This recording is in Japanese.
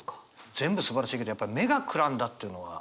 全部すばらしいけどやっぱり「目が眩んだ」っていうのが。